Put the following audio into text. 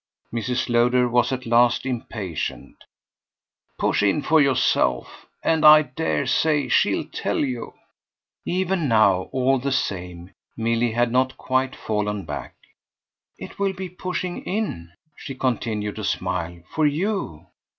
Mrs. Lowder was at last impatient. "Push in for yourself and I dare say she'll tell you." Even now, all the same, Milly had not quite fallen back. "It will be pushing in," she continued to smile, "for YOU."